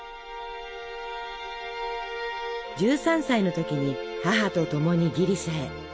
１３歳の時に母と共にギリシャへ。